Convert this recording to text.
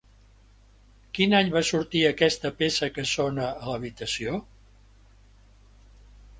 Quin any va sortir aquesta peça que sona a l'habitació?